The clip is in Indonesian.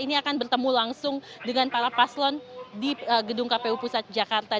ini akan bertemu langsung dengan para paslon di gedung kpu pusat jakarta